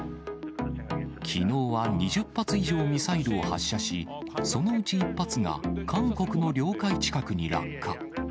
きのうは２０発以上ミサイルを発射し、そのうち１発が韓国の領海近くに落下。